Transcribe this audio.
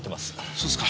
そうですか。